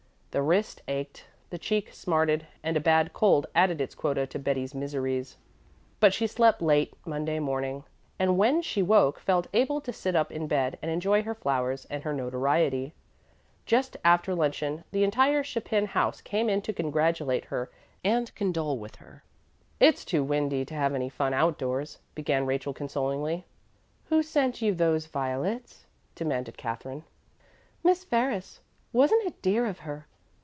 The wrist ached, the cheek smarted, and a bad cold added its quota to Betty's miseries. But she slept late Monday morning, and when she woke felt able to sit up in bed and enjoy her flowers and her notoriety. Just after luncheon the entire Chapin house came in to congratulate and condole with her. "It's too windy to have any fun outdoors," began Rachel consolingly. "Who sent you those violets?" demanded Katherine. "Miss Ferris. Wasn't it dear of her?